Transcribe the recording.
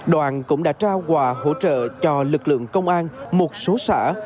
đoàn cũng đã trao quà hỗ trợ cho lực lượng công an một số xã